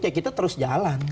ya kita terus jalan